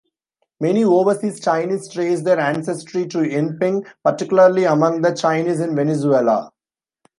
Many overseas Chinese trace their ancestry to Enping, particularly among the Chinese in Venezuela.